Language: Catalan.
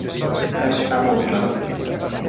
Ara està molt clar.